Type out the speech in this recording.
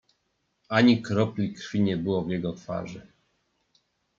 "Ani kropli krwi nie było w jego twarzy."